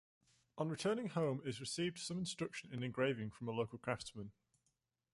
On returning home is received some instruction in engraving from a local craftsman.